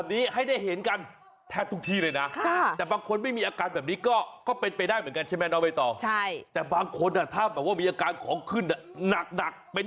ภาคอากตรร์กรรมลัยที่แตกต่างกันออกไป